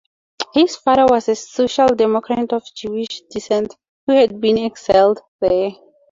His father was a social democrat of Jewish descent who had been exiled there.